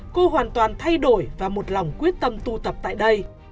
cô hoàn toàn thay đổi và một lòng quyết tâm tu tập tại đây